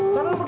maaf ya bang